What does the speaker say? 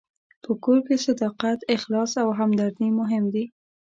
په کور کې صداقت، اخلاص او همدردي مهم دي.